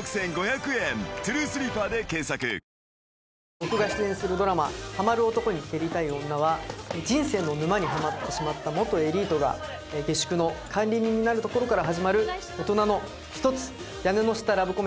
僕が出演するドラマ『ハマる男に蹴りたい女』は人生の沼にハマってしまった元エリートが下宿の管理人になるところから始まる大人の一つ屋根の下ラブコメディーです。